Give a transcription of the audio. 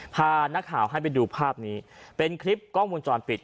พานักข่าวให้ไปดูภาพนี้เป็นคลิปกล้องวงจรปิด